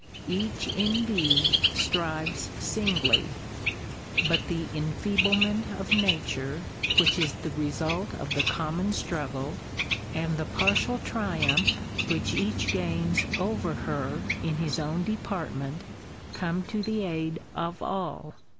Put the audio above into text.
Bach indeed strive singly, but the enfeeblement of Nature which is the result of the common struggle, and the partial triumph which each gains ever her in his own department, come to the aid of all.